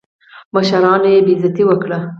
مشرانو یې بېعزتي وکړه.